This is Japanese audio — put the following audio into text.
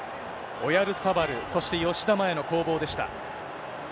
オヤルサバル、そして吉田麻也の攻防でした。